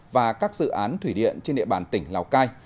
và các dự án thủy điện trên địa bàn tỉnh lào cai